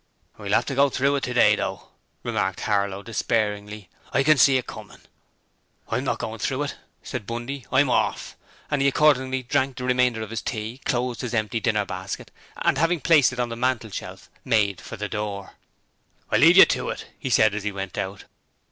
'We'll 'ave to go through it today, though,' remarked Harlow despairingly. 'I can see it comin'.' 'I'M not goin' through it,' said Bundy, 'I'm orf!' And he accordingly drank the remainder of his tea, closed his empty dinner basket and, having placed it on the mantelshelf, made for the door. 'I'll leave you to it,' he said as he went out.